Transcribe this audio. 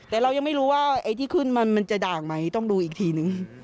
แต่เรายังไม่รู้ว่าไอ้ที่ขึ้นมามันจะด่างไหมต้องดูอีกทีนึง